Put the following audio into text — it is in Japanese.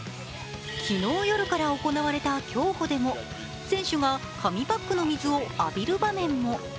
昨日夜から行われた競歩でも選手が紙パックの水を浴びる場面も。